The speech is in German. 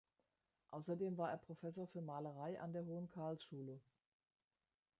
Außerdem war er Professor für Malerei an der Hohen Karlsschule.